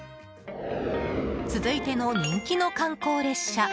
続いての人気の観光列車